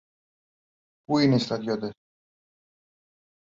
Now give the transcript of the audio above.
Πού είναι οι στρατιώτες;